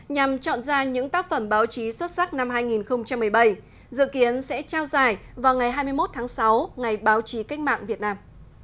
nhằm chọn ra những tác phẩm báo chí xuất sắc năm hai nghìn một mươi bảy dự kiến sẽ trao giải vào ngày hai mươi một tháng sáu ngày báo chí cách mạng việt nam